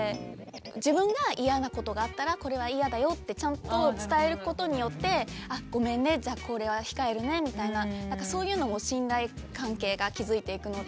自分が嫌なことがあったらこれは嫌だよってちゃんと伝えることによって「ごめんね。じゃあこれは控えるね」みたいな何かそういうのも信頼関係が築いていくので。